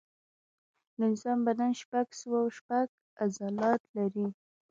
د انسان بدن شپږ سوه شپږ عضلات لري.